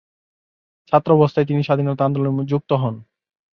ছাত্রাবস্থায় তিনি স্বাধীনতা আন্দোলনে যুক্ত হন।